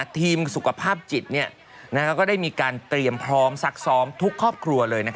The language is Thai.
ทีมสุขภาพจิตก็ได้มีการเตรียมพร้อมซักซ้อมทุกครอบครัวเลย